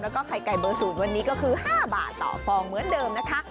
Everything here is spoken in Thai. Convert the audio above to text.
แล้วก็ไข่ไก่เบอร์ศูนย์วันนี้ก็คือ๕บาทต่อฟองเหมือนเดิมนะคะ